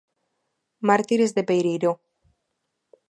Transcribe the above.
Mártires de Pereiró.